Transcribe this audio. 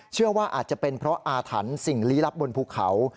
เชื่อว่าอาจจะเป็นเพราะอาถรรพ์สิ่งลี้ลับบนภูเขา